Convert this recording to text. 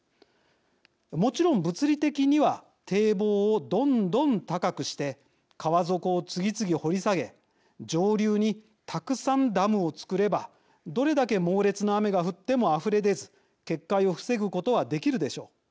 もちろん物理的には堤防をどんどん高くして川底を次々掘り下げ上流にたくさんダムを造ればどれだけ猛烈な雨が降ってもあふれ出ず決壊を防ぐことはできるでしょう。